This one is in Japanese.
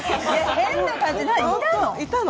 変な感じ、いたの？